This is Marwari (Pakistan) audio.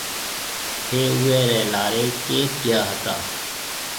ٿَي اُوئي ريَ لاريَ ڪيٿ گيا هتا؟